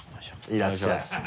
いらっしゃい。